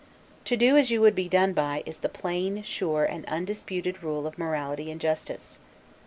To do as you would be done by, is the plain, sure, and undisputed rule of morality and justice.